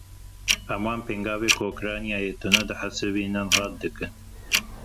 Em wan pêngavên ku Ukraynayê tune dihesibînin red dikin.